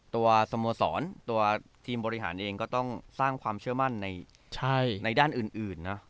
ตัวสโมสรตัวทีมบริหารเองก็ต้องสร้างความเชื่อมั่นในด้านอื่นนะ